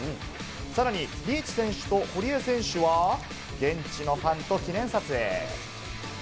さらにリーチ選手と堀江選手は、現地のファンと記念撮影。